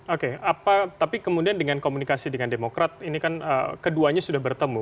oke tapi kemudian dengan komunikasi dengan demokrat ini kan keduanya sudah bertemu